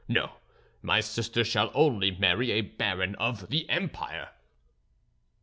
No; my sister shall only marry a baron of the empire."